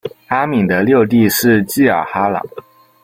阿敏的六弟是济尔哈朗。